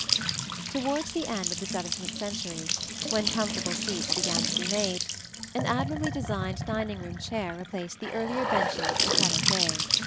] Towards the end of the seventeenth century, when comfortable seats began to be made, an admirably designed dining room chair replaced the earlier benches and perroquets.